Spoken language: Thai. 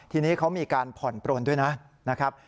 ทีนี้เขามีการผ่อนโปรนด้วยนะ